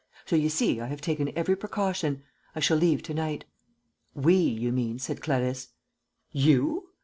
So you see, I have taken every precaution. I shall leave to night." "We, you mean," said Clarisse. "You!"